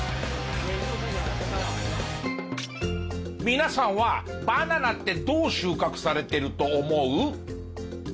皆さんはバナナってどう収穫されてると思う？